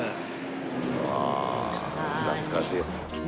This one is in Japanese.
うわ懐かしい。